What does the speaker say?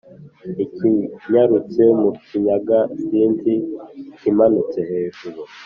ikinyarutse mu kinyaga/ sinzi ikimanutse hejuru/